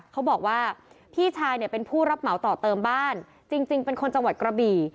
เขาบอกว่าพี่ชายเนี่ยเป็นผู้รับเหมาต่อเติมบ้านจริงเป็นคนจังหวัดกระบี่